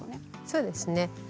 そうです。